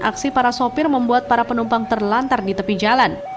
aksi para sopir membuat para penumpang terlantar di tepi jalan